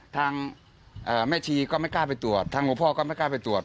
ทางแม่ชีก็ไม่กล้าไปตรวจทางหลวงพ่อก็ไม่กล้าไปตรวจ